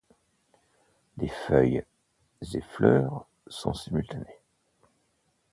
Les feuilles et fleurs sont simultanées.